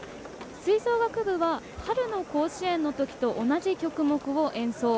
吹奏楽部は春の甲子園のときと同じ曲目を演奏。